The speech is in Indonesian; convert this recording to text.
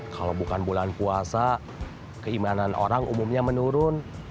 kalau bukan bulan puasa keimanan orang umumnya menurun